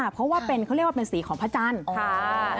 เพราะว่าเขาเรียกว่าเป็นสีของพระจันทร์